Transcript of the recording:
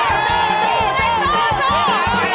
อ้าวเร็ว